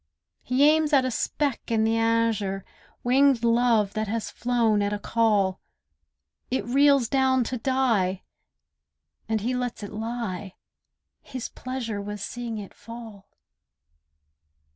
He aims at a speck in the azure; Winged love, that has flown at a call; It reels down to die, and he lets it lie; His pleasure was seeing it fall.